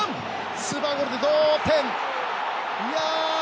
スーパーゴールで同点！